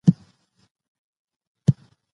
آیا تاسو غواړئ چټک لیکل زده کړئ؟